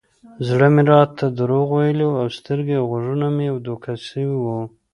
زړه مې راته دروغ ويلي و سترګې او غوږونه مې دوکه سوي وو.